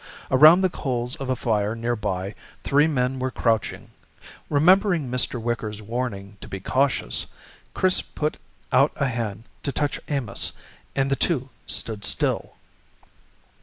Around the coals of a fire nearby, three men were crouching. Remembering Mr. Wicker's warning to be cautious, Chris put out a hand to touch Amos and the two stood still.